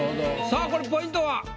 さあこれポイントは？